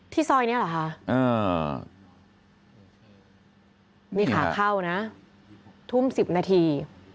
ที่ซอยนี้ล่ะค่ะนี่เข้านะธุ่ม๑๐นาที